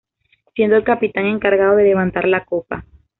Siendo el capitán encargado de levantar la copa.